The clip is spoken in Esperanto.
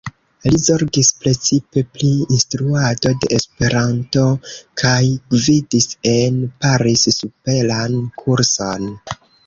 Li zorgis precipe pri instruado de Esperanto kaj gvidis en Paris superan kurson.